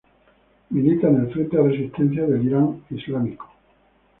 Milita en el Frente de Resistencia del Irán Islámico.